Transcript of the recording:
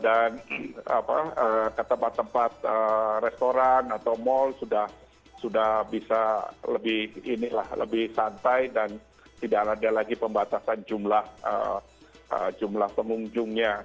dan ke tempat tempat restoran atau mall sudah bisa lebih santai dan tidak ada lagi pembatasan jumlah pengunjungnya